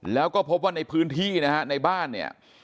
แล้วก็พบว่าในพื้นที่นะฮะในบ้านเนี่ย